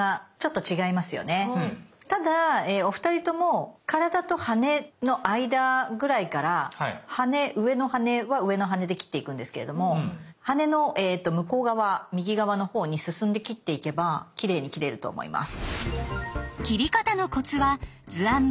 ただお二人とも体と羽の間ぐらいから羽上の羽は上の羽で切っていくんですけれども羽の向こう側右側のほうに進んで切っていけばきれいに切れると思います。